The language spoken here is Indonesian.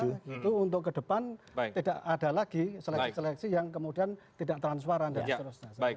itu untuk kedepan tidak ada lagi seleksi seleksi yang kemudian tidak transwaran dan sebagainya